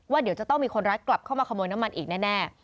เดี๋ยวจะต้องมีคนร้ายกลับเข้ามาขโมยน้ำมันอีกแน่